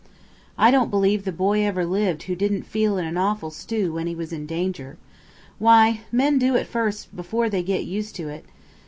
"I don't believe the boy ever lived who didn't feel in an awful stew when he was in danger. Why, men do at first before they get used to it.